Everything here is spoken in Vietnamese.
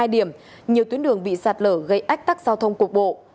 hai điểm nhiều tuyến đường bị sạt lở gây ách tắc giao thông cục bộ